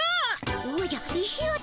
おじゃ石頭。